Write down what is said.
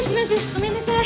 ごめんなさい。